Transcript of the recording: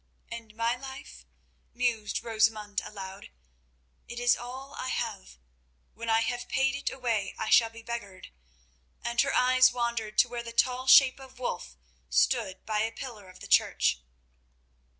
"And my life?" mused Rosamund aloud. "It is all I have. When I have paid it away I shall be beggared," and her eyes wandered to where the tall shape of Wulf stood by a pillar of the church.